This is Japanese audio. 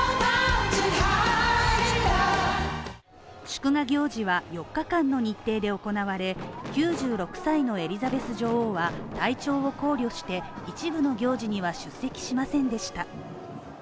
祝賀行事は４日間の日程で行われ、９６歳のエリザベス女王は体調を考慮して、一部の行事には出席しませんでした。